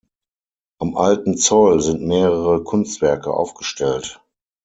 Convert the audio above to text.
Am Alten Zoll sind mehrere Kunstwerke aufgestellt.